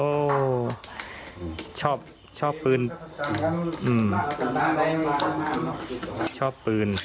โอ้ชอบชอบปืนชอบปืน